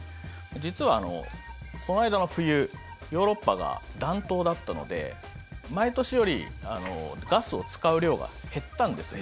実は、この間の冬ヨーロッパが暖冬だったので毎年よりガスを使う量が減ったんです。